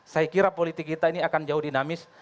saya kira politik kita ini akan jauh dinamis